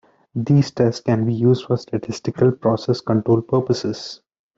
These tests can be used for statistical process control purposes.